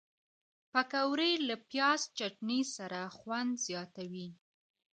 پکورې له پیاز چټني سره خوند زیاتوي